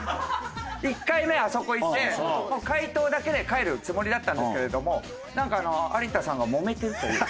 １回目あそこいてもう解答だけで帰るつもりだったんですけれどもなんか有田さんがもめてるという。